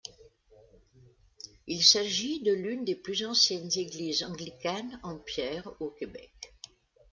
Il s'agit de l'une des plus anciennes églises anglicanes en pierre au Québec.